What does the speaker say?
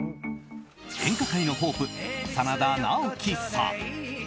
演歌界のホープ真田ナオキさん。